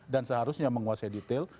dan seharusnya menguasai detail